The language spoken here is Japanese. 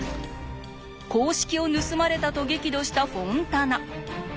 公式を盗まれたと激怒したフォンタナ。